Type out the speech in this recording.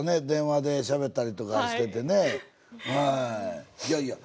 電話でしゃべったりとかしててねはい。